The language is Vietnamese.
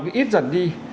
cứ ít dần đi